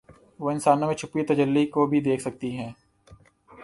وہ انسانوں میں چھپی تجلی کو بھی دیکھ سکتی ہیں